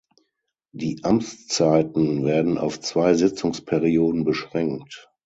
Die Amtszeiten werden auf zwei Sitzungsperioden beschränkt.